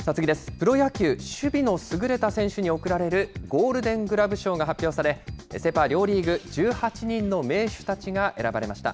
プロ野球、守備の優れた選手に贈られるゴールデン・グラブ賞が発表され、セ・パ両リーグ、１８人の名手たちが選ばれました。